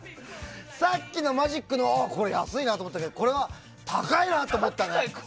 さっきのマジックは安いなと思ったけどこれは高いなと思った。